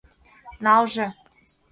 Налже.